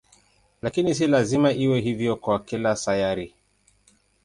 Lakini si lazima iwe hivyo kwa kila sayari.